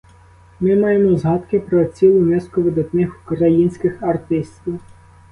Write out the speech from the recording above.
Ми маємо згадки про цілу низку видатних українських артистів.